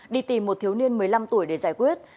đi tìm một thiếu niên một mươi năm tuổi để giải quyết